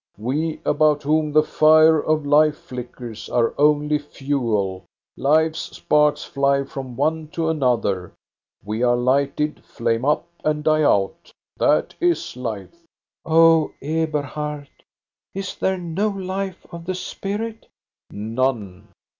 We about whom the fire of life flickers are only fuel. Life's sparks fly from one to another. We are lighted, flame up, and die out. That is life.' " Oh, Eberhard, is there no life of the spirit? " None."